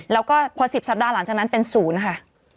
แล้วก็พอ๑๐สัปดาห์หลังจากนั้นเป็นศูนย์ค่ะ